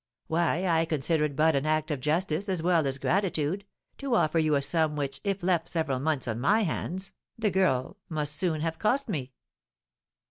"Why, I consider it but an act of justice, as well as gratitude, to offer you a sum which, if left several months on my hands, the girl must soon have cost me."